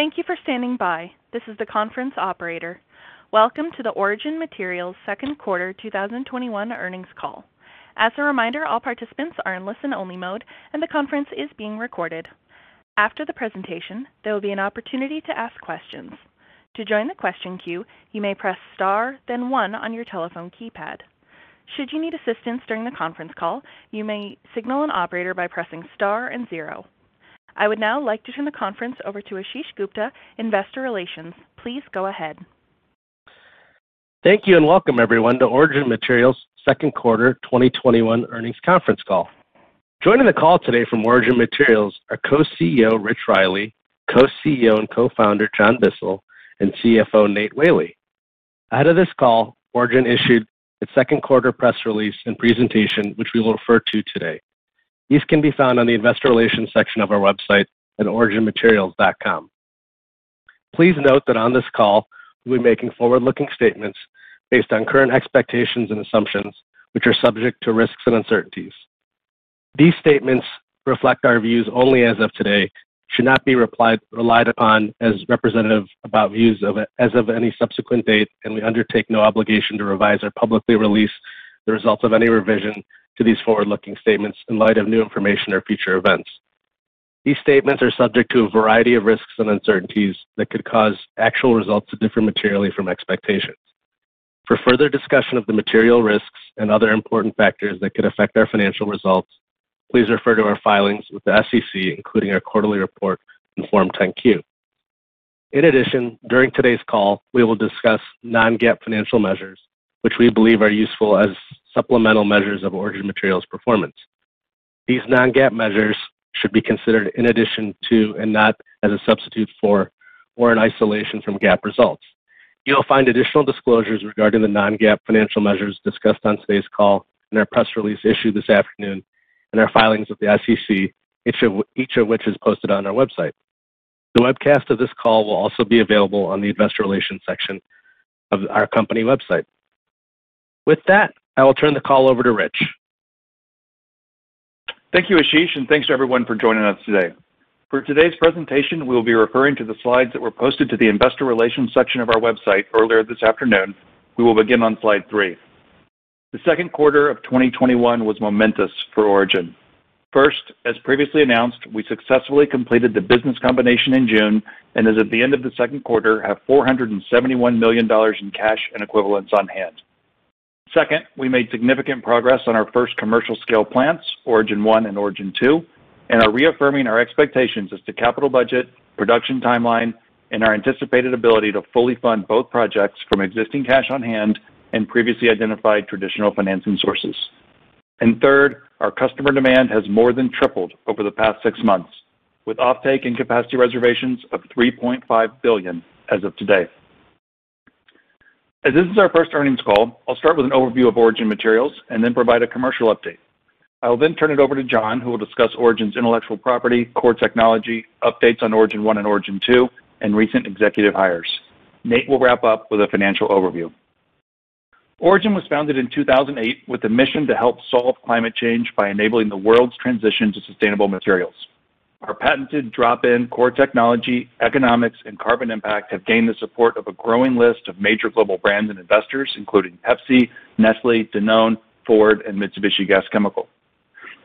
Thank you for standing by. This is the conference operator. Welcome to the Origin Materials second quarter 2021 earnings call. As a reminder, all participants are in listen only mode, and the conference is being recorded. After the presentation, there will be an opportunity to ask questions. To join the question queue, you may press star then one on your telephone keypad. Should you need assistance during the conference call, you may signal an operator by pressing star and zero. I would now like to turn the conference over to Ashish Gupta, Investor Relations. Please go ahead. Thank you, and welcome, everyone, to Origin Materials' second quarter 2021 earnings conference call. Joining the call today from Origin Materials are Co-CEO Rich Riley, Co-CEO and Co-Founder John Bissell, and CFO Nate Whaley. Ahead of this call, Origin issued its second quarter press release and presentation, which we will refer to today. These can be found on the investor relations section of our website at originmaterials.com. Please note that on this call, we'll be making forward-looking statements based on current expectations and assumptions, which are subject to risks and uncertainties. These statements reflect our views only as of today, should not be relied upon as representative about views as of any subsequent date, and we undertake no obligation to revise or publicly release the results of any revision to these forward-looking statements in light of new information or future events. These statements are subject to a variety of risks and uncertainties that could cause actual results to differ materially from expectations. For further discussion of the material risks and other important factors that could affect our financial results, please refer to our filings with the SEC, including our quarterly report and Form 10-Q. In addition, during today's call, we will discuss non-GAAP financial measures, which we believe are useful as supplemental measures of Origin Materials' performance. These non-GAAP measures should be considered in addition to, and not as a substitute for, or in isolation from GAAP results. You'll find additional disclosures regarding the non-GAAP financial measures discussed on today's call in our press release issued this afternoon and our filings with the SEC, each of which is posted on our website. The webcast of this call will also be available on the investor relations section of our company website. With that, I will turn the call over to Rich. Thank you, Ashish, and thanks to everyone for joining us today. For today's presentation, we'll be referring to the slides that were posted to the investor relations section of our website earlier this afternoon. We will begin on slide three. The second quarter of 2021 was momentous for Origin. First, as previously announced, we successfully completed the business combination in June, and as at the end of the second quarter, have $471 million in cash and equivalents on hand. Second, we made significant progress on our first commercial scale plants, Origin 1 and Origin 2, and are reaffirming our expectations as to capital budget, production timeline, and our anticipated ability to fully fund both projects from existing cash on hand and previously identified traditional financing sources. Third, our customer demand has more than tripled over the past six months with offtake and capacity reservations of $3.5 billion as of today. As this is our first earnings call, I'll start with an overview of Origin Materials and then provide a commercial update. I will then turn it over to John, who will discuss Origin's intellectual property, core technology, updates on Origin 1 and Origin 2, and recent executive hires. Nate will wrap up with a financial overview. Origin was founded in 2008 with a mission to help solve climate change by enabling the world's transition to sustainable materials. Our patented drop-in core technology, economics, and carbon impact have gained the support of a growing list of major global brands and investors, including PepsiCo, Nestlé, Danone, Ford, and Mitsubishi Gas Chemical.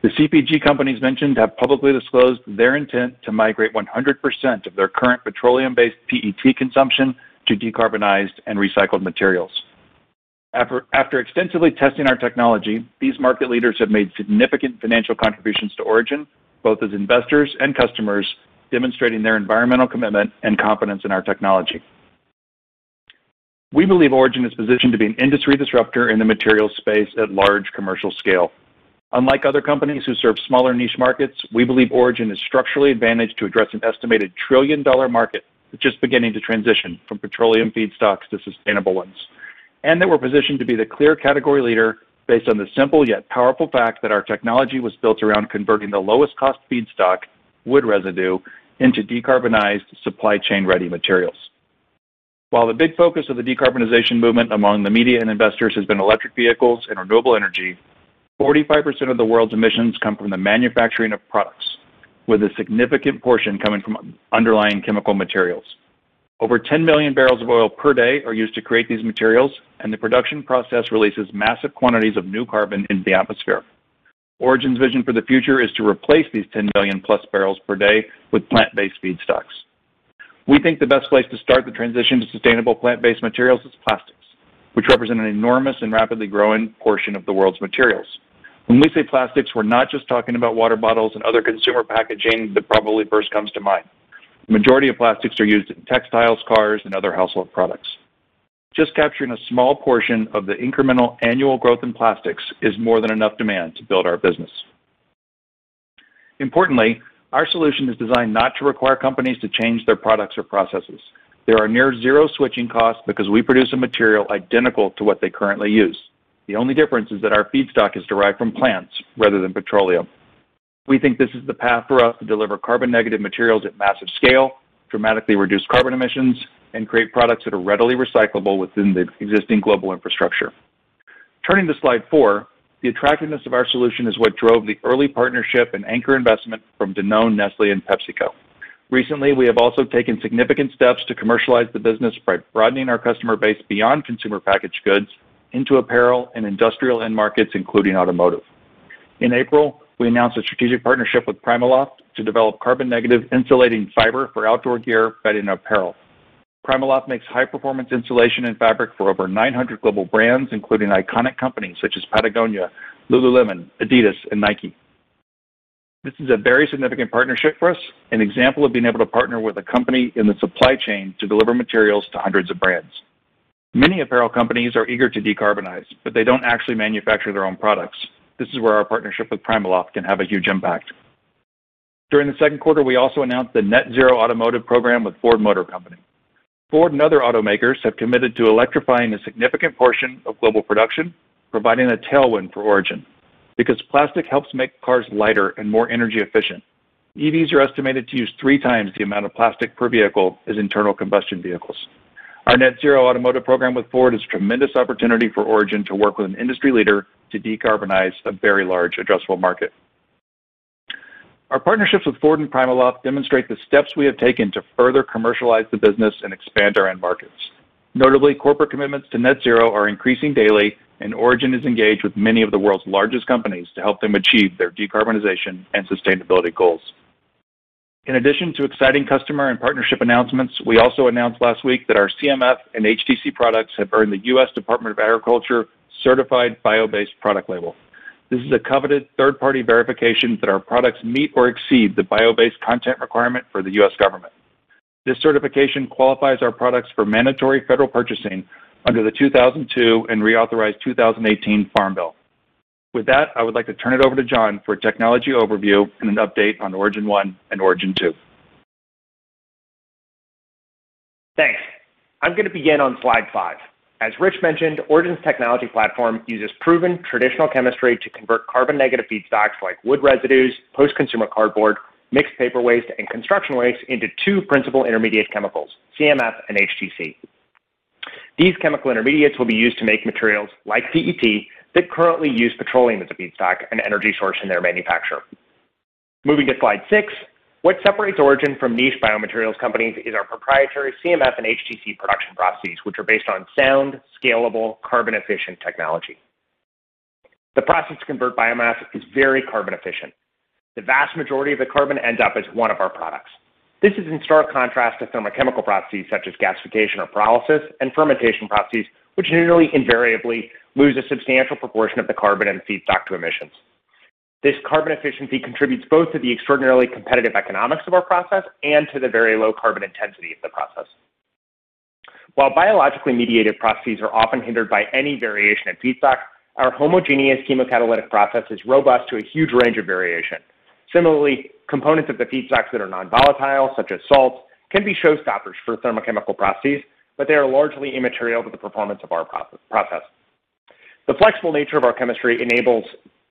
The CPG companies mentioned have publicly disclosed their intent to migrate 100% of their current petroleum-based PET consumption to decarbonized and recycled materials. After extensively testing our technology, these market leaders have made significant financial contributions to Origin, both as investors and customers, demonstrating their environmental commitment and confidence in our technology. We believe Origin is positioned to be an industry disruptor in the materials space at large commercial scale. Unlike other companies who serve smaller niche markets, we believe Origin is structurally advantaged to address an estimated trillion-dollar market that's just beginning to transition from petroleum feedstocks to sustainable ones. That we're positioned to be the clear category leader based on the simple yet powerful fact that our technology was built around converting the lowest cost feedstock, wood residue, into decarbonized supply chain-ready materials. While the big focus of the decarbonization movement among the media and investors has been electric vehicles and renewable energy, 45% of the world's emissions come from the manufacturing of products, with a significant portion coming from underlying chemical materials. Over 10 million barrels of oil per day are used to create these materials, and the production process releases massive quantities of new carbon into the atmosphere. Origin's vision for the future is to replace these 10 million+ barrels per day with plant-based feedstocks. We think the best place to start the transition to sustainable plant-based materials is plastics, which represent an enormous and rapidly growing portion of the world's materials. When we say plastics, we're not just talking about water bottles and other consumer packaging that probably first comes to mind. The majority of plastics are used in textiles, cars, and other household products. Just capturing a small portion of the incremental annual growth in plastics is more than enough demand to build our business. Importantly, our solution is designed not to require companies to change their products or processes. There are near zero switching costs because we produce a material identical to what they currently use. The only difference is that our feedstock is derived from plants rather than petroleum. We think this is the path for us to deliver carbon-negative materials at massive scale, dramatically reduce carbon emissions, and create products that are readily recyclable within the existing global infrastructure. Turning to slide four, the attractiveness of our solution is what drove the early partnership and anchor investment from Danone, Nestlé, and PepsiCo. Recently, we have also taken significant steps to commercialize the business by broadening our customer base beyond consumer packaged goods into apparel and industrial end markets, including automotive. In April, we announced a strategic partnership with PrimaLoft to develop carbon-negative insulating fiber for outdoor gear bedded in apparel. PrimaLoft makes high-performance insulation and fabric for over 900 global brands, including iconic companies such as Patagonia, lululemon, adidas, and Nike. This is a very significant partnership for us, an example of being able to partner with a company in the supply chain to deliver materials to hundreds of brands. Many apparel companies are eager to decarbonize, but they don't actually manufacture their own products. This is where our partnership with PrimaLoft can have a huge impact. During the second quarter, we also announced the Net Zero Automotive Program with Ford Motor Company. Ford and other automakers have committed to electrifying a significant portion of global production, providing a tailwind for Origin. Because plastic helps make cars lighter and more energy efficient. EVs are estimated to use three times the amount of plastic per vehicle as internal combustion vehicles. Our Net Zero Automotive Program with Ford is a tremendous opportunity for Origin to work with an industry leader to decarbonize a very large addressable market. Our partnerships with Ford and PrimaLoft demonstrate the steps we have taken to further commercialize the business and expand our end markets. Notably, corporate commitments to net zero are increasing daily, and Origin is engaged with many of the world's largest companies to help them achieve their decarbonization and sustainability goals. In addition to exciting customer and partnership announcements, we also announced last week that our CMF and HTC products have earned the U.S. Department of Agriculture Certified Bio-Based Product label. This is a coveted third-party verification that our products meet or exceed the bio-based content requirement for the U.S. government. This certification qualifies our products for mandatory federal purchasing under the 2002 and reauthorized 2018 Farm Bill. With that, I would like to turn it over to John for a technology overview and an update on Origin 1 and Origin 2. Thanks. I'm going to begin on slide five. As Rich mentioned, Origin's technology platform uses proven traditional chemistry to convert carbon-negative feedstocks like wood residues, post-consumer cardboard, mixed paper waste, and construction waste into two principal intermediate chemicals, CMF and HTC. These chemical intermediates will be used to make materials like PET that currently use petroleum as a feedstock and energy source in their manufacture. Moving to slide six, what separates Origin from niche biomaterials companies is our proprietary CMF and HTC production processes, which are based on sound, scalable, carbon-efficient technology. The process to convert biomass is very carbon-efficient. The vast majority of the carbon ends up as one of our products. This is in stark contrast to thermochemical processes such as gasification or pyrolysis and fermentation processes, which nearly invariably lose a substantial proportion of the carbon and feedstock to emissions. This carbon efficiency contributes both to the extraordinarily competitive economics of our process and to the very low carbon intensity of the process. While biologically mediated processes are often hindered by any variation in feedstock, our homogeneous chemocatalytic process is robust to a huge range of variation. Similarly, components of the feedstocks that are non-volatile, such as salts, can be showstoppers for thermochemical processes, but they are largely immaterial to the performance of our process. The flexible nature of our chemistry enables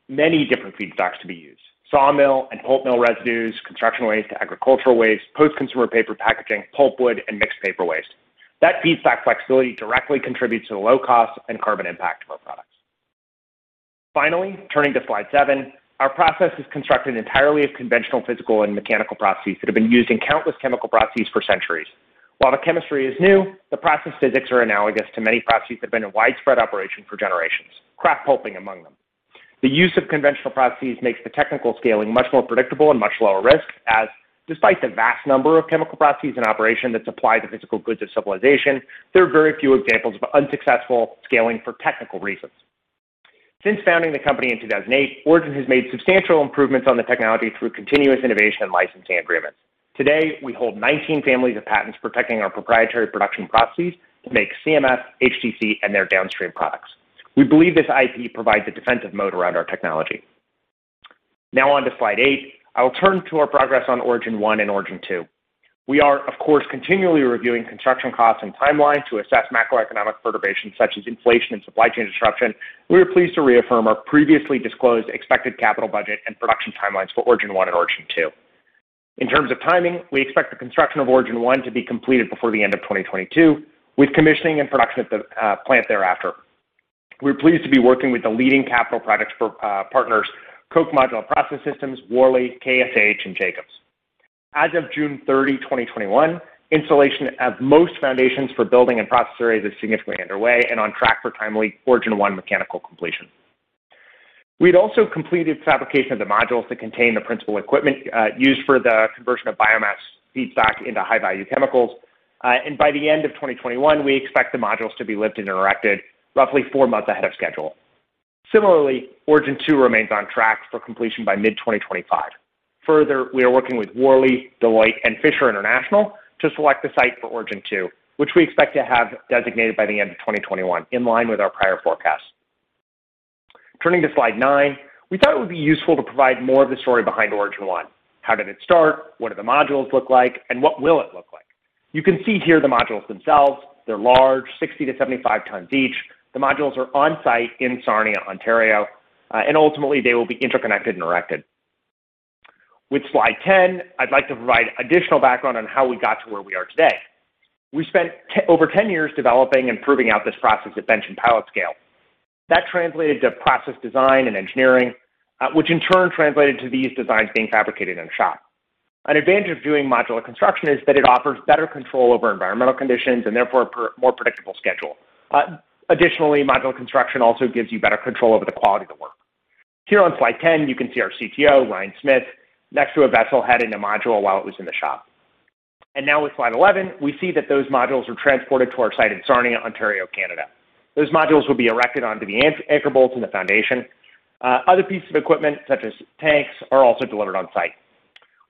many different feedstocks to be used. Sawmill and pulp mill residues, construction waste, agricultural waste, post-consumer paper packaging, pulpwood, and mixed paper waste. That feedstock flexibility directly contributes to the low cost and carbon impact of our products. Finally, turning to slide seven, our process is constructed entirely of conventional physical and mechanical processes that have been used in countless chemical processes for centuries. While the chemistry is new, the process physics are analogous to many processes that have been in widespread operation for generations, kraft pulping among them. The use of conventional processes makes the technical scaling much more predictable and much lower risk, as despite the vast number of chemical processes in operation that supply the physical goods of civilization, there are very few examples of unsuccessful scaling for technical reasons. Since founding the company in 2008, Origin has made substantial improvements on the technology through continuous innovation and licensing agreements. Today, we hold 19 families of patents protecting our proprietary production processes to make CMF, HTC, and their downstream products. We believe this IP provides a defensive mode around our technology. Now on to slide eight. I will turn to our progress on Origin 1 and Origin 2. We are, of course, continually reviewing construction costs and timelines to assess macroeconomic perturbations such as inflation and supply chain disruption. We are pleased to reaffirm our previously disclosed expected capital budget and production timelines for Origin 1 and Origin 2. In terms of timing, we expect the construction of Origin 1 to be completed before the end of 2022, with commissioning and production at the plant thereafter. We're pleased to be working with the leading capital products partners, Koch Modular Process Systems, Worley, KSH, and Jacobs. As of June 30, 2021, installation of most foundations for building and process areas is significantly underway and on track for timely Origin 1 mechanical completion. We'd also completed fabrication of the modules that contain the principal equipment used for the conversion of biomass feedstock into high-value chemicals. By the end of 2021, we expect the modules to be lifted and erected roughly four months ahead of schedule. Similarly, Origin 2 remains on track for completion by mid-2025. Further, we are working with Worley, Deloitte, and Fisher International to select the site for Origin 2, which we expect to have designated by the end of 2021, in line with our prior forecast. Turning to slide nine, we thought it would be useful to provide more of the story behind Origin 1. How did it start? What do the modules look like? What will it look like? You can see here the modules themselves. They're large, 60-75 tons each. The modules are on-site in Sarnia, Ontario. Ultimately, they will be interconnected and erected. With slide 10, I'd like to provide additional background on how we got to where we are today. We spent over 10 years developing and proving out this process at bench and pilot scale. That translated to process design and engineering, which in turn translated to these designs being fabricated in shop. An advantage of doing modular construction is that it offers better control over environmental conditions and, therefore a more predictable schedule. Additionally, modular construction also gives you better control over the quality of the work. Here on slide 10, you can see our CTO, Ryan Smith, next to a vessel head in a module while it was in the shop. Now with slide 11, we see that those modules were transported to our site in Sarnia, Ontario, Canada. Those modules will be erected onto the anchor bolts in the foundation. Other pieces of equipment, such as tanks, are also delivered on site.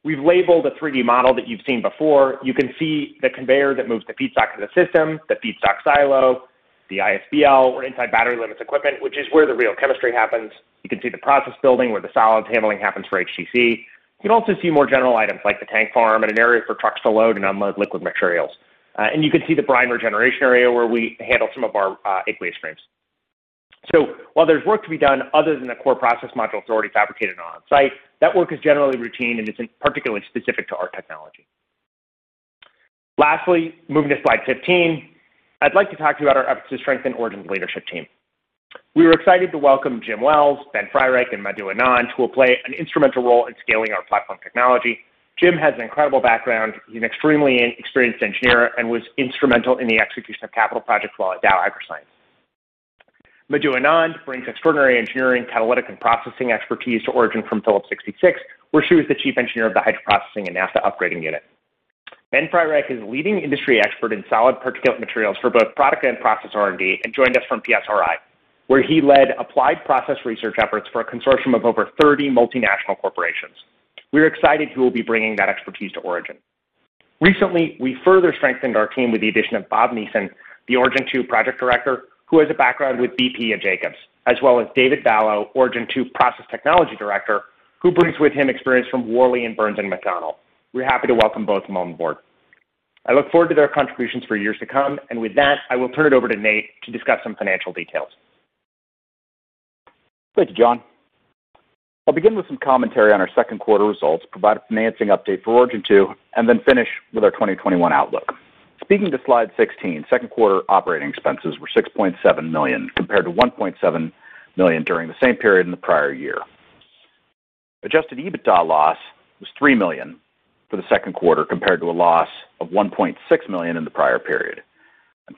We've labeled a 3D model that you've seen before. You can see the conveyor that moves the feedstock to the system, the feedstock silo, the ISBL, or inside battery limits equipment, which is where the real chemistry happens. You can see the process building where the solids handling happens for HTC. You can see more general items like the tank farm and an area for trucks to load and unload liquid materials. You can see the brine generation area where we handle some of our aqueous streams. While there's work to be done other than the core process module that's already fabricated on site, that work is generally routine and isn't particularly specific to our technology. Lastly, moving to slide 15, I'd like to talk to you about our efforts to strengthen Origin's leadership team. We were excited to welcome Jim Wells, Ben Freireich, and Madhu Anand, who will play an instrumental role in scaling our platform technology. Jim has an incredible background. He's an extremely experienced engineer and was instrumental in the execution of capital projects while at Hyperscience. Madhu Anand brings extraordinary engineering, catalytic, and processing expertise to Origin from Phillips 66, where she was the chief engineer of the hydroprocessing and naphtha upgrading unit. Ben Freireich is a leading industry expert in solid particulate materials for both product and process R&D and joined us from PSRI, where he led applied process research efforts for a consortium of over 30 multinational corporations. We're excited he will be bringing that expertise to Origin. Recently, we further strengthened our team with the addition of Bob Nissen, the Origin 2 Project Director, who has a background with BP and Jacobs, as well as David Ballow, Origin 2 Process Technology Director, who brings with him experience from Worley and Burns & McDonnell. We're happy to welcome both of them on board. I look forward to their contributions for years to come. With that, I will turn it over to Nate to discuss some financial details. Thank you, John. I'll begin with some commentary on our second quarter results, provide a financing update for Origin 2, then finish with our 2021 outlook. Speaking to slide 16, second-quarter operating expenses were $6.7 million, compared to $1.7 million during the same period in the prior year. Adjusted EBITDA loss was $3 million for the second quarter compared to a loss of $1.6 million in the prior period.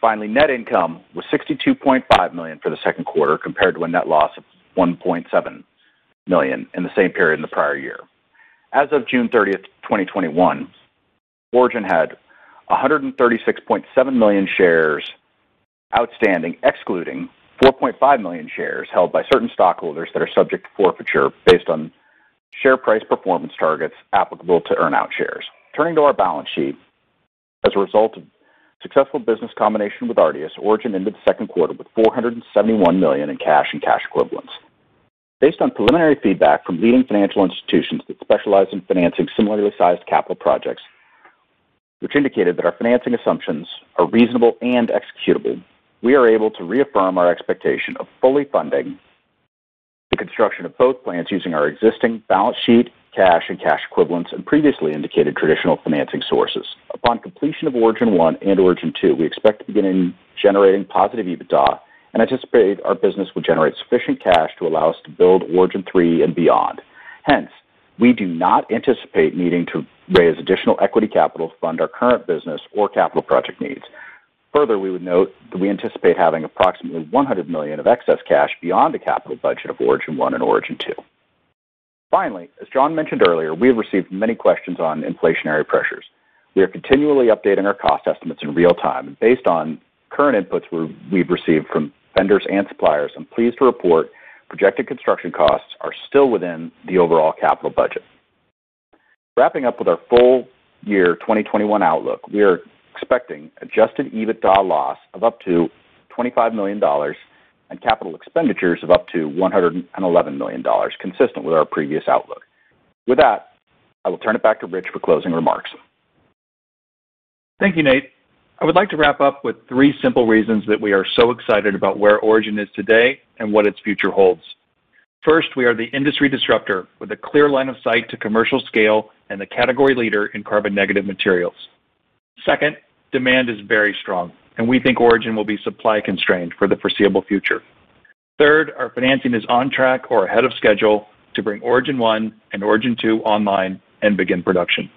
Finally, net income was $62.5 million for the second quarter compared to a net loss of $1.7 million in the same period in the prior year. As of June 30, 2021, Origin had 136.7 million shares outstanding, excluding 4.5 million shares held by certain stockholders that are subject to forfeiture based on share price performance targets applicable to earn-out shares. Turning to our balance sheet. As a result of successful business combination with Artius, Origin ended the second quarter with $471 million in cash and cash equivalents. Based on preliminary feedback from leading financial institutions that specialize in financing similarly sized capital projects, which indicated that our financing assumptions are reasonable and executable, we are able to reaffirm our expectation of fully funding the construction of both plants using our existing balance sheet, cash and cash equivalents, and previously indicated traditional financing sources. Upon completion of Origin 1 and Origin 2, we expect to begin generating positive EBITDA and anticipate our business will generate sufficient cash to allow us to build Origin 3 and beyond. We do not anticipate needing to raise additional equity capital to fund our current business or capital project needs. We would note that we anticipate having approximately $100 million of excess cash beyond the capital budget of Origin 1 and Origin 2. As John mentioned earlier, we have received many questions on inflationary pressures. We are continually updating our cost estimates in real time and based on current inputs we've received from vendors and suppliers. I'm pleased to report projected construction costs are still within the overall capital budget. Wrapping up with our full year 2021 outlook, we are expecting adjusted EBITDA loss of up to $25 million and capital expenditures of up to $111 million, consistent with our previous outlook. With that, I will turn it back to Rich for closing remarks. Thank you, Nate. I would like to wrap up with three simple reasons that we are so excited about where Origin is today and what its future holds. First, we are the industry disruptor with a clear line of sight to commercial scale and the category leader in carbon-negative materials. Second, demand is very strong, and we think Origin will be supply-constrained for the foreseeable future. Third, our financing is on track or ahead of schedule to bring Origin 1 and Origin 2 online and begin production.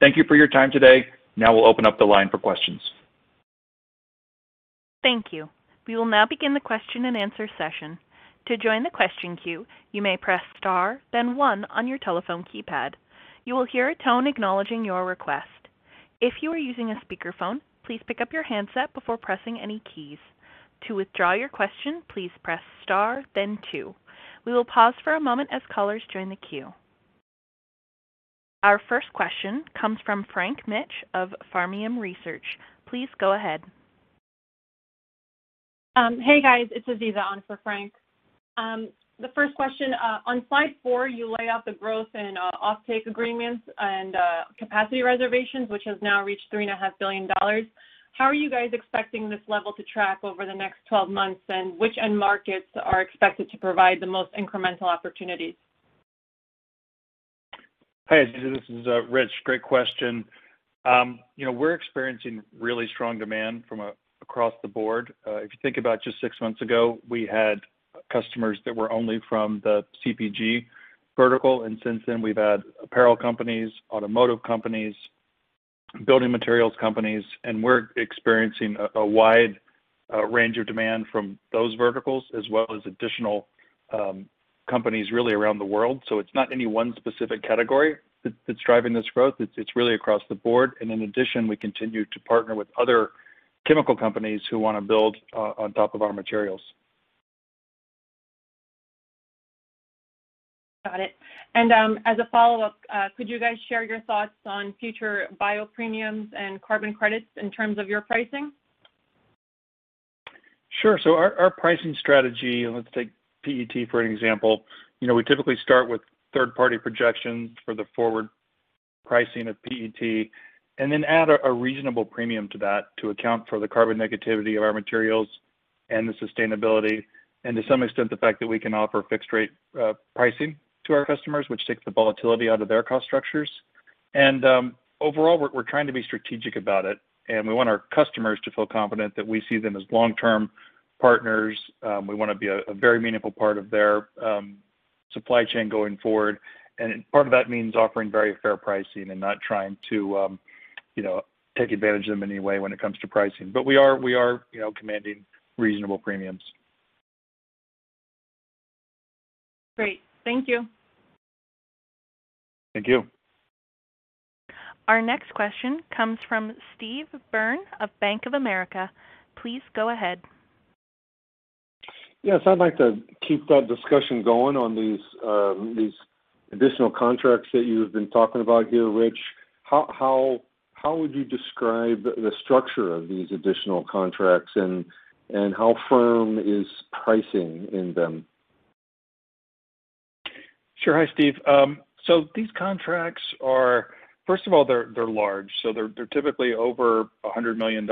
Thank you for your time today. We'll open up the line for questions. Thank you. We will now begin the question and answer session. To join the question queue, you may press star then one on your telephone keypad. You will hear a tone acknowledging your request. If you are using a speakerphone, please pick up your handset before pressing any keys. To withdraw your question, please press star then two. We will pause for a moment as callers join the queue. Our first question comes from Frank Mitsch of Fermium Research. Please go ahead. Hey guys, it's Aziza on for Frank. The first question, on slide four, you lay out the growth in offtake agreements and capacity reservations, which has now reached $3.5 billion. How are you guys expecting this level to track over the next 12 months, and which end markets are expected to provide the most incremental opportunities? Hey, Aziza, this is Rich. Great question. We're experiencing really strong demand from across the board. If you think about just six months ago, we had customers that were only from the CPG vertical, and since then, we've had apparel companies, automotive companies, building materials companies, and we're experiencing a wide range of demand from those verticals as well as additional companies, really around the world. It's not any one specific category that's driving this growth. It's really across the board. In addition, we continue to partner with other chemical companies who want to build on top of our materials. Got it. As a follow-up, could you guys share your thoughts on future bio premiums and carbon credits in terms of your pricing? Sure. Our pricing strategy, let's take PET for an example. We typically start with third-party projections for the forward pricing of PET and then add a reasonable premium to that to account for the carbon negativity of our materials and the sustainability, and to some extent, the fact that we can offer fixed-rate pricing to our customers, which takes the volatility out of their cost structures. Overall, we're trying to be strategic about it, and we want our customers to feel confident that we see them as long-term partners. We want to be a very meaningful part of their supply chain going forward. Part of that means offering very fair pricing and not trying to take advantage of them in any way when it comes to pricing. We are commanding reasonable premiums. Great. Thank you. Thank you. Our next question comes from Steve Byrne of Bank of America. Please go ahead. Yes, I'd like to keep that discussion going on these additional contracts that you've been talking about here, Rich. How would you describe the structure of these additional contracts, and how firm is pricing in them? Sure. Hi, Steve. These contracts are, first of all, they're large, so they're typically over $100 million.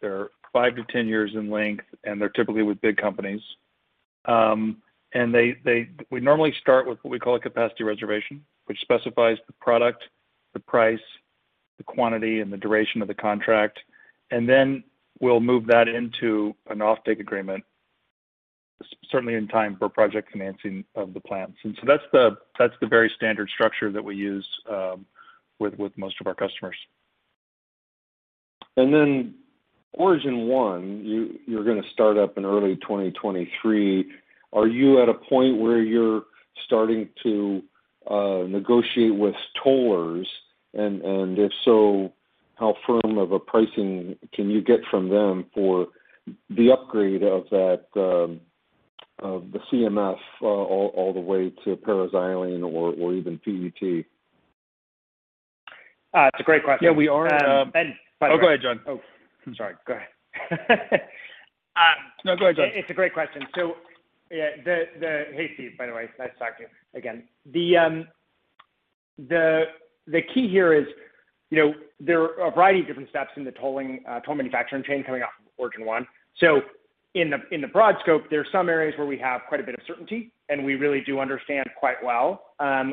They're 5 to 10 years in length, and they're typically with big companies. We normally start with what we call a capacity reservation, which specifies the product, the price, the quantity, and the duration of the contract. We'll move that into an offtake agreement, certainly in time for project financing of the plants. That's the very standard structure that we use with most of our customers. Origin 1, you're going to start up in early 2023. Are you at a point where you're starting to negotiate with tollers? If so, how firm of a pricing can you get from them for the upgrade of the CMF all the way to paraxylene or even PET? It's a great question. Yeah, we are- Byrne. Oh, go ahead, John. Oh, sorry. Go ahead. No, go ahead, John. It's a great question. Hey, Steve, by the way. Nice to talk to you again. The key here is there are a variety of different steps in the toll manufacturing chain coming off of Origin 1. In the broad scope, there are some areas where we have quite a bit of certainty, and we really do understand quite well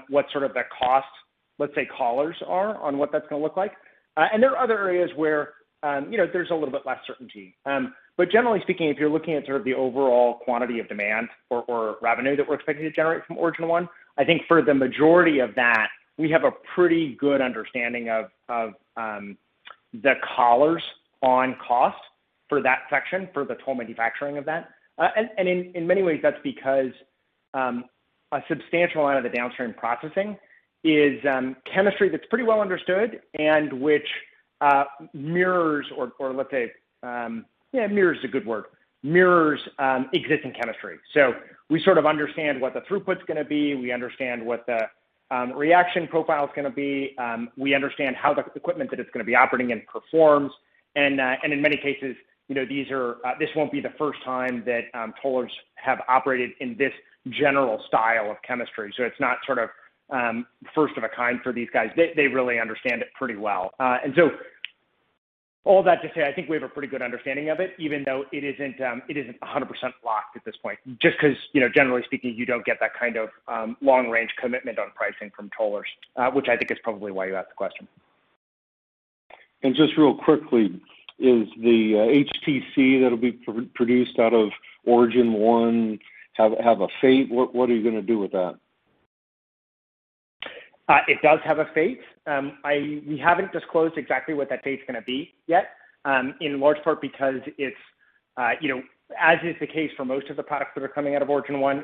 what sort of the cost, let's say, collars are on what that's going to look like. There are other areas where there's a little bit less certainty. Generally speaking, if you're looking at sort of the overall quantity of demand or revenue that we're expecting to generate from Origin 1, I think for the majority of that, we have a pretty good understanding of the collars on cost for that section, for the toll manufacturing of that. In many ways, that's because a substantial amount of the downstream processing is chemistry that's pretty well understood and which mirrors or let's say mirrors a good word. Mirrors existing chemistry. We sort of understand what the throughput's going to be, we understand what the reaction profile's going to be, we understand how the equipment that it's going to be operating in performs. In many cases, this won't be the first time that tollers have operated in this general style of chemistry. It's not sort of first of a kind for these guys. They really understand it pretty well. All that to say, I think we have a pretty good understanding of it, even though it isn't 100% locked at this point, just because, generally speaking, you don't get that kind of long-range commitment on pricing from tollers, which I think is probably why you asked the question. Just real quickly, is the HTC that'll be produced out of Origin 1 have a fate? What are you going to do with that? It does have a fate. We haven't disclosed exactly what that fate's going to be yet, in large part because it's, as is the case for most of the products that are coming out of Origin 1,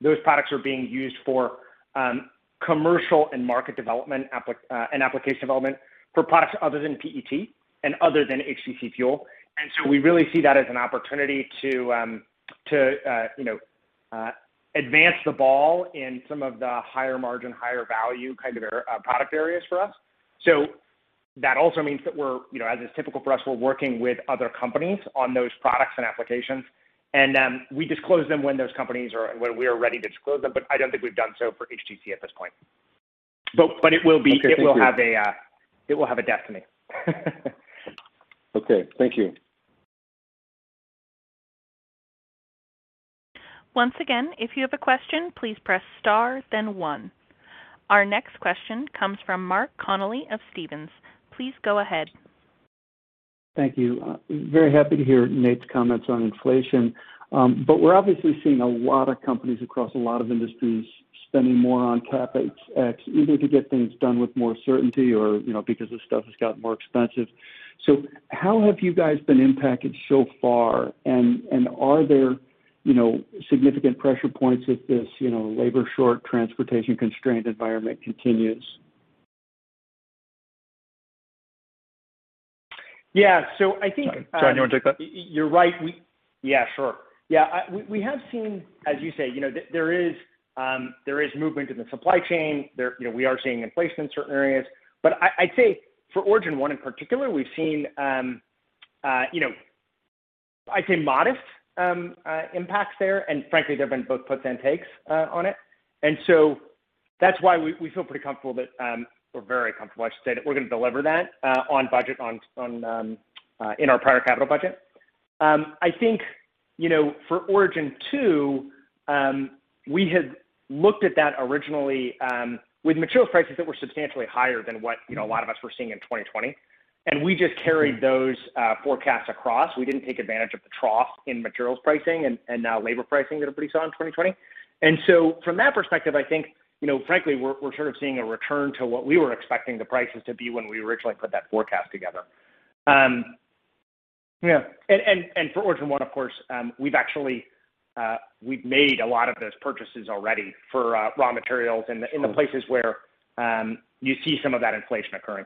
those products are being used for commercial and market development and application development for products other than PET and other than HTC fuel. We really see that as an opportunity to advance the ball in some of the higher margin, higher value kind of product areas for us. That also means that, as is typical for us, we're working with other companies on those products and applications. We disclose them when those companies or when we are ready to disclose them. I don't think we've done so for HTC at this point. It will be. Okay. Thank you. It will have a destiny. Okay. Thank you. Once again, if you have a question, please press star then one. Our next question comes from Mark Connelly of Stephens. Please go ahead. Thank you. Very happy to hear Nate’s comments on inflation. We’re obviously seeing a lot of companies across a lot of industries spending more on CapEx, either to get things done with more certainty or because the stuff has gotten more expensive. How have you guys been impacted so far? Are there significant pressure points if this labor short, transportation constraint environment continues? Yeah. I think you're right. We have seen, as you say, there is movement in the supply chain. We are seeing inflation in certain areas. I'd say for Origin 1 in particular, we've seen modest impacts there. Frankly, there have been both puts and takes on it. That's why we feel pretty comfortable that, or very comfortable, I should say, that we're going to deliver that on budget in our prior capital budget. I think, for Origin 2, we had looked at that originally with materials prices that were substantially higher than what a lot of us were seeing in 2020. We just carried those forecasts across. We didn't take advantage of the trough in materials pricing and labor pricing that everybody saw in 2020. From that perspective, I think, frankly, we're sort of seeing a return to what we were expecting the prices to be when we originally put that forecast together. For Origin 1, of course, we've made a lot of those purchases already for raw materials in the places where you see some of that inflation occurring.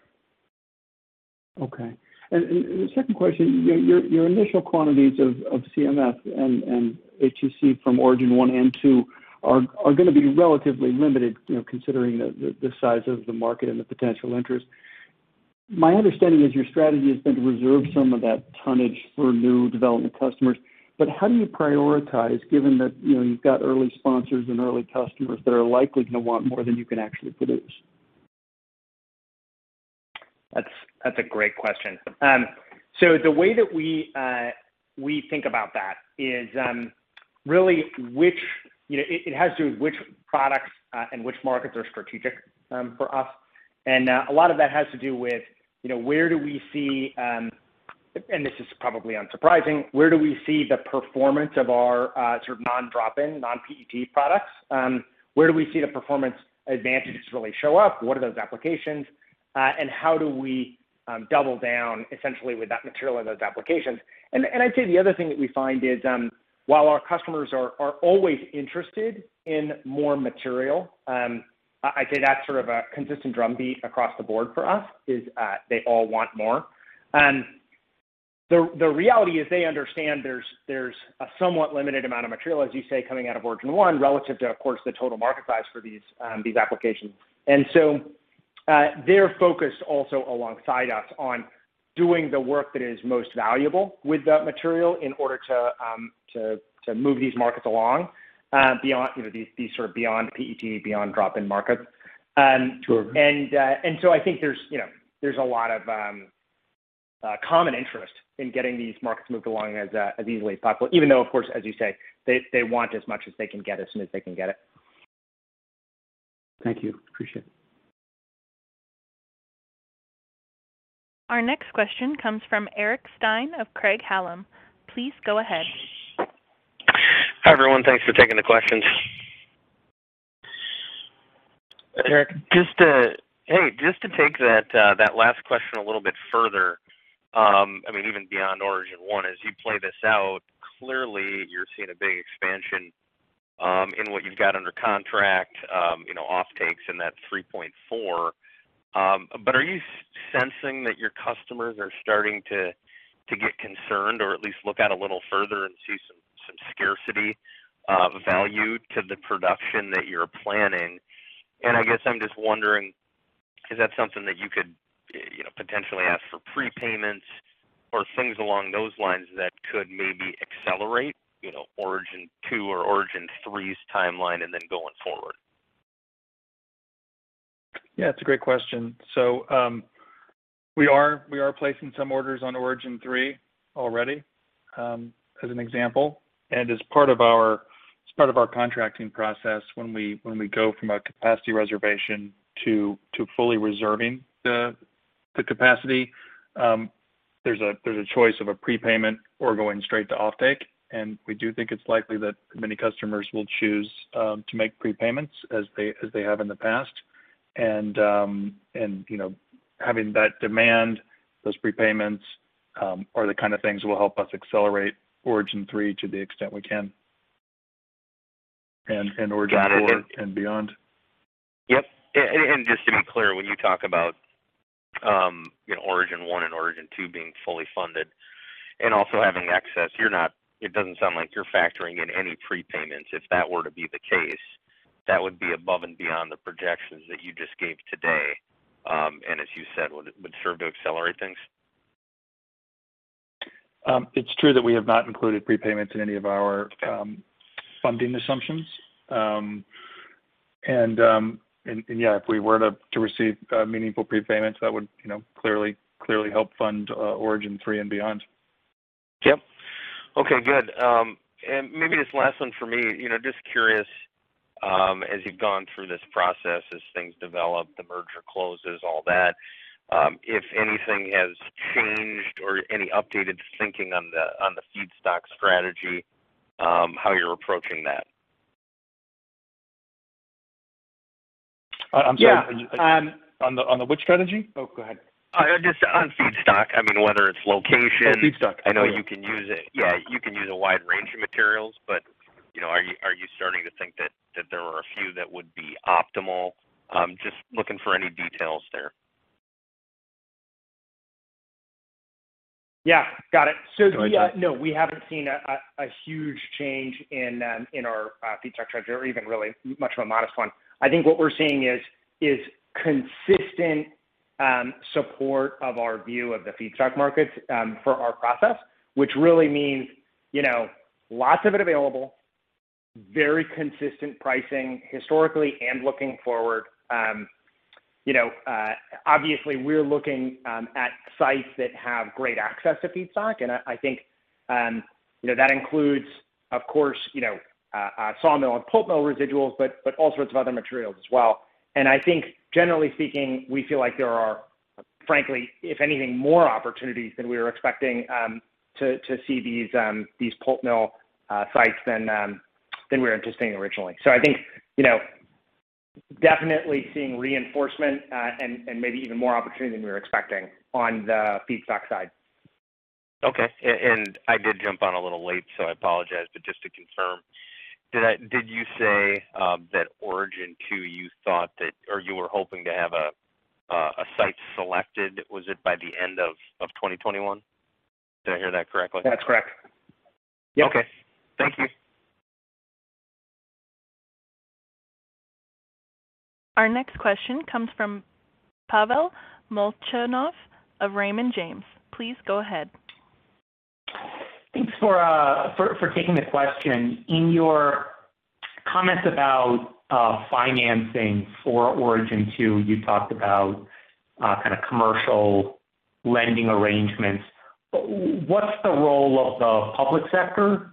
Okay. The second question, your initial quantities of CMF and HTC from Origin 1 and 2 are going to be relatively limited, considering the size of the market and the potential interest. My understanding is your strategy has been to reserve some of that tonnage for new development customers. How do you prioritize given that you've got early sponsors and early customers that are likely going to want more than you can actually produce? That's a great question. The way that we think about that is really which products and which markets are strategic for us. A lot of that has to do with where do we see, and this is probably unsurprising, where do we see the performance of our sort of non-drop-in, non-PET products? Where do we see the performance advantages really show up? What are those applications? How do we double down essentially with that material and those applications? I'd say the other thing that we find is while our customers are always interested in more material, I'd say that's sort of a consistent drumbeat across the board for us is they all want more. The reality is they understand there's a somewhat limited amount of material, as you say, coming out of Origin 1 relative to, of course, the total market size for these applications. They're focused also alongside us on doing the work that is most valuable with that material in order to move these markets along beyond these sort of beyond PET, beyond drop-in markets. Sure. I think there's a lot of common interest in getting these markets moved along as easily as possible, even though, of course, as you say, they want as much as they can get as soon as they can get it. Thank you. Appreciate it. Our next question comes from Eric Stine of Craig-Hallum. Please go ahead. Hi, everyone. Thanks for taking the questions. Eric. Hey, just to take that last question a little bit further, even beyond Origin 1, as you play this out, clearly you're seeing a big expansion in what you've got under contract, offtakes and that 3.4. Are you sensing that your customers are starting to get concerned, or at least look out a little further and see some scarcity of value to the production that you're planning? I guess I'm just wondering, is that something that you could potentially ask for prepayments or things along those lines that could maybe accelerate Origin 2 or Origin 3's timeline and then going forward? Yeah, it's a great question. We are placing some orders on Origin 3 already, as an example. As part of our contracting process, when we go from a capacity reservation to fully reserving the capacity, there's a choice of a prepayment or going straight to offtake. We do think it's likely that many customers will choose to make prepayments as they have in the past. Having that demand, those prepayments, are the kind of things that will help us accelerate Origin 3 to the extent we can and Origin 4 and beyond. Yep. Just to be clear, when you talk about Origin 1 and Origin 2 being fully funded and also having excess, it doesn't sound like you're factoring in any prepayments, if that were to be the case. That would be above and beyond the projections that you just gave today, and as you said, would serve to accelerate things? It's true that we have not included prepayments in any of our funding assumptions. Yeah, if we were to receive meaningful prepayments, that would clearly help fund Origin 3 and beyond. Yep. Okay, good. Maybe this last one for me, just curious, as you've gone through this process, as things develop, the merger closes, all that, if anything has changed or any updated thinking on the feedstock strategy, how you're approaching that? I'm sorry. Yeah. On the which strategy? Oh, go ahead. Just on feedstock. Whether it's location- Oh, feedstock. Oh, yeah. I know you can use a wide range of materials, but are you starting to think that there are a few that would be optimal? Just looking for any details there. Yeah, got it. Gotcha. No, we haven't seen a huge change in our feedstock treasury or even really much of a modest one. I think what we're seeing is consistent support of our view of the feedstock markets for our process, which really means lots of it available. Very consistent pricing historically and looking forward. Obviously, we're looking at sites that have great access to feedstock, and I think that includes, of course, sawmill and pulp mill residuals, but all sorts of other materials as well. I think generally speaking, we feel like there are, frankly, if anything, more opportunities than we were expecting to see these pulp mill sites than we were anticipating originally. I think definitely seeing reinforcement and maybe even more opportunity than we were expecting on the feedstock side. Okay. I did jump on a little late, so I apologize, but just to confirm, did you say that Origin 2, you thought that, or you were hoping to have a site selected, was it by the end of 2021? Did I hear that correctly? That's correct. Yep. Okay. Thank you. Our next question comes from Pavel Molchanov of Raymond James. Please go ahead. Thanks for taking the question. In your comments about financing for Origin 2, you talked about commercial lending arrangements. What's the role of the public sector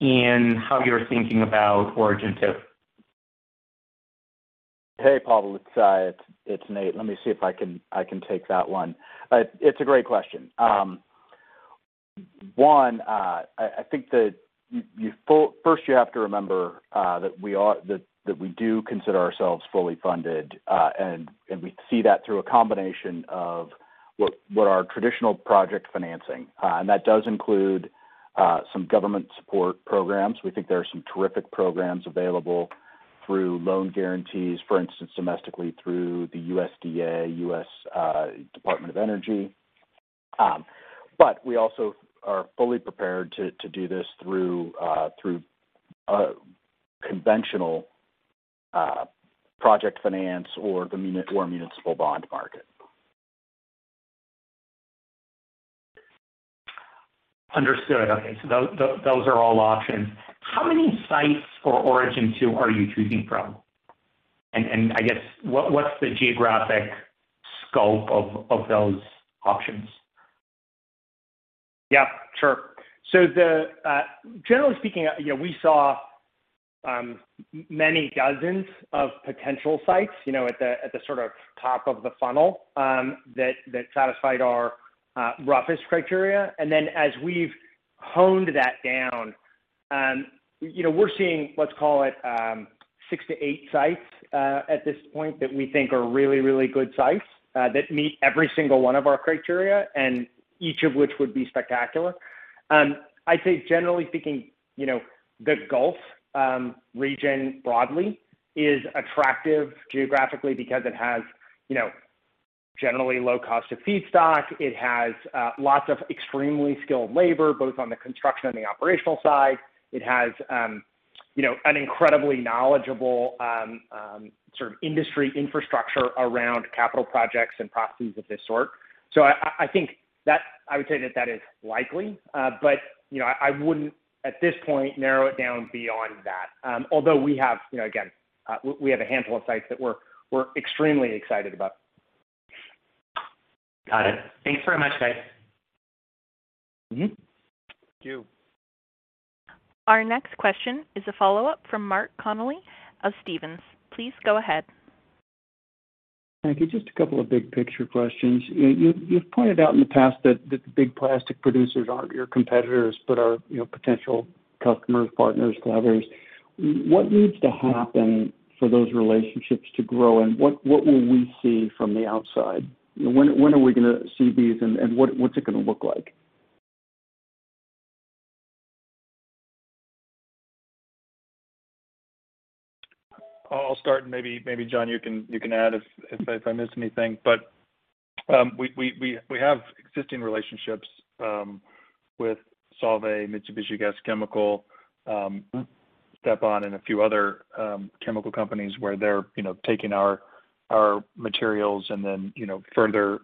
in how you're thinking about Origin 2? Hey, Pavel. It's Nate. Let me see if I can take that one. It's a great question. One, I think that first you have to remember that we do consider ourselves fully funded. We see that through a combination of what our traditional project financing, and that does include some government support programs. We think there are some terrific programs available through loan guarantees, for instance, domestically through the USDA, U.S. Department of Energy. We also are fully prepared to do this through conventional project finance or municipal bond market. Understood. Okay. Those are all options. How many sites for Origin 2 are you choosing from? I guess, what's the geographic scope of those options? Yes, sure. Generally speaking, we saw many dozens of potential sites at the top of the funnel that satisfied our roughest criteria. As we've honed that down, we're seeing, let's call it, six to eight sites at this point that we think are really, really good sites that meet every single one of our criteria, and each of which would be spectacular. I'd say generally speaking, the Gulf region broadly is attractive geographically because it has generally low cost of feedstock. It has lots of extremely skilled labor, both on the construction and the operational side. It has an incredibly knowledgeable industry infrastructure around capital projects and processes of this sort. I would say that is likely. I wouldn't, at this point, narrow it down beyond that. Although we have, again, we have a handful of sites that we're extremely excited about. Got it. Thanks very much, guys. Thank you. Our next question is a follow-up from Mark Connelly of Stephens. Please go ahead. Thank you. Just a couple of big-picture questions. You've pointed out in the past that the big plastic producers aren't your competitors, but are potential customers, partners, collaborators. What needs to happen for those relationships to grow, and what will we see from the outside? When are we going to see these, and what's it going to look like? I'll start, and maybe, John, you can add if I miss anything. We have existing relationships with Solvay, Mitsubishi Gas Chemical, Stepan, and a few other chemical companies where they're taking our materials and then further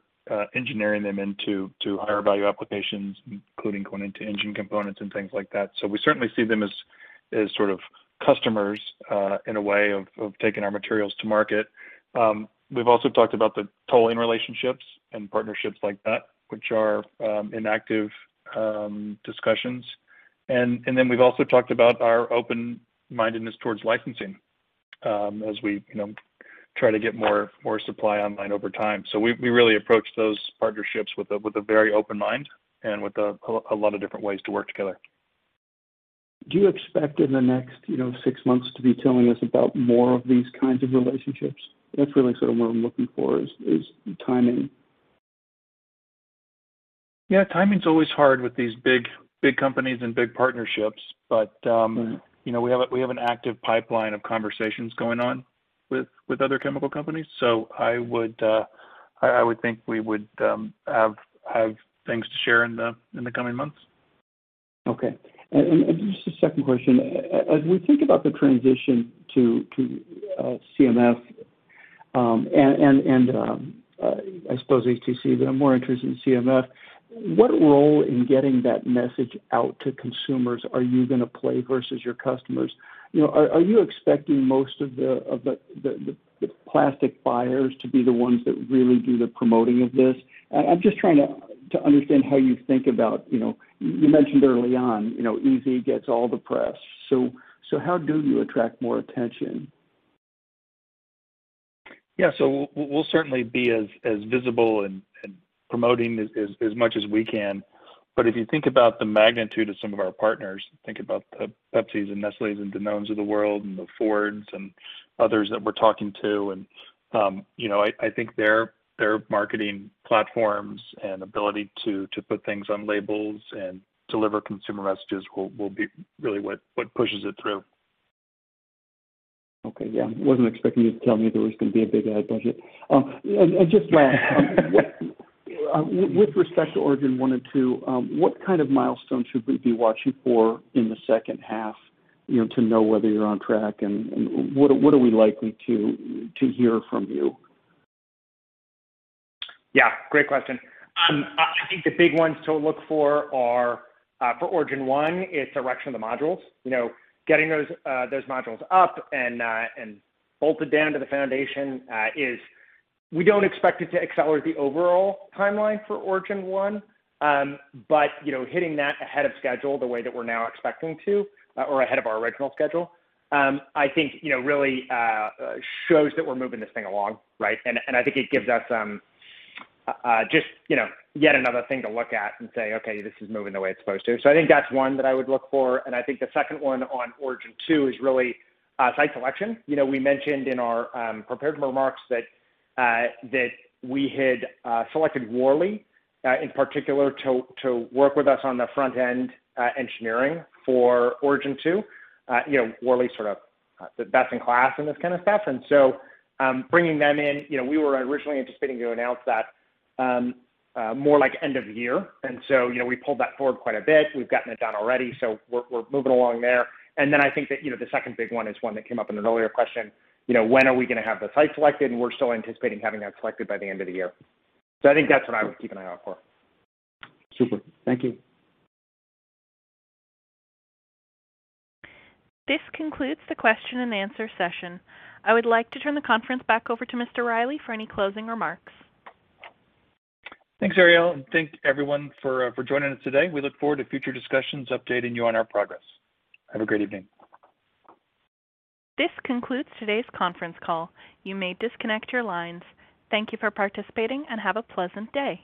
engineering them into higher value applications, including going into engine components and things like that. We certainly see them as sort of customers in a way of taking our materials to market. We've also talked about the tolling relationships and partnerships like that, which are in active discussions. We've also talked about our open-mindedness towards licensing as we try to get more supply online over time. We really approach those partnerships with a very open mind and with a lot of different ways to work together. Do you expect in the next six months to be telling us about more of these kinds of relationships? That's really sort of what I'm looking for, is the timing. Yeah. Timing's always hard with these big companies and big partnerships. We have an active pipeline of conversations going on with other chemical companies. I would think we would have things to share in the coming months. Okay. Just a second question. As we think about the transition to CMF, and I suppose HTC, but I'm more interested in CMF, what role in getting that message out to consumers are you going to play versus your customers? Are you expecting most of the plastic buyers to be the ones that really do the promoting of this? I'm just trying to understand how you think about, you mentioned early on, easy gets all the press. How do you attract more attention? Yeah. We'll certainly be as visible and promoting as much as we can. If you think about the magnitude of some of our partners, think about the Pepsis and Nestlé and Danone of the world and the Ford and others that we're talking to, and I think their marketing platforms and ability to put things on labels and deliver consumer messages will be really what pushes it through. Okay. Yeah. I wasn't expecting you to tell me there was going to be a big ad budget. Just last with respect to Origin 1 and 2, what kind of milestone should we be watching for in the second half to know whether you're on track, and what are we likely to hear from you? Great question. I think the big ones to look for are, for Origin 1, it's erection of the modules. Getting those modules up and bolted down to the foundation is we don't expect it to accelerate the overall timeline for Origin 1. Hitting that ahead of schedule, the way that we're now expecting to or ahead of our original schedule, I think really shows that we're moving this thing along. Right. I think it gives us just yet another thing to look at and say, "Okay, this is moving the way it's supposed to." I think that's one that I would look for, and I think the second one on Origin 2 is really site selection. We mentioned in our prepared remarks that we had selected Worley in particular to work with us on the front-end engineering for Origin 2. Worley's sort of the best in class in this kind of stuff. Bringing them in, we were originally anticipating to announce that more like end of year. We pulled that forward quite a bit. We've gotten it done already. We're moving along there. I think that the second big one is one that came up in an earlier question: when are we going to have the site selected? We're still anticipating having that selected by the end of the year. I think that's what I would keep an eye out for. Super. Thank you. This concludes the question and answer session. I would like to turn the conference back over to Mr. Riley for any closing remarks. Thanks, Ariel, thank everyone for joining us today. We look forward to future discussions, updating you on our progress. Have a great evening. This concludes today's conference call. You may disconnect your lines. Thank you for participating, and have a pleasant day.